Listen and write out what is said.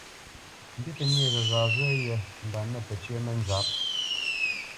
Mbî pə́ nyê ghəgha ghyə́yé mba nə̂ pəcyə́ mənzǎp.